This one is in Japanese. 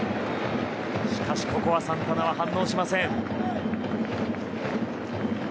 しかし、サンタナは反応しません。